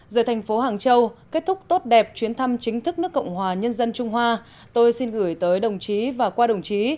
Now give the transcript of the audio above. giờ thành phố hàng châu kết thúc tốt đẹp chuyến thăm chính thức nước cộng hòa nhân dân trung hoa tôi xin gửi tới đồng chí và qua đồng chí